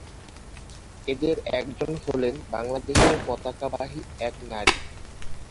এদের একজন হলেন বাংলাদেশের পতাকাবাহী এক নারী।